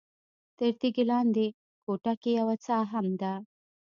تر تیږې لاندې کوټه کې یوه څاه هم ده.